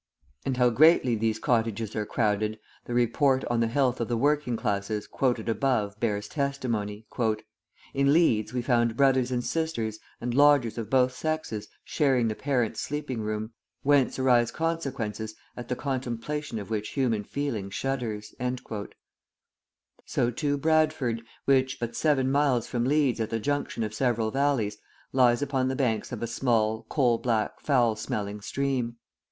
And how greatly these cottages are crowded, the Report on the Health of the Working Classes, quoted above, bears testimony: "In Leeds we found brothers and sisters, and lodgers of both sexes, sharing the parents' sleeping room, whence arise consequences at the contemplation of which human feeling shudders." So, too, Bradford, which, but seven miles from Leeds at the junction of several valleys, lies upon the banks of a small, coal black, foul smelling stream.